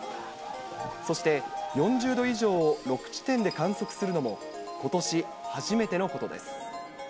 そして、４０度以上を６地点で観測するのも、ことし初めてのことです。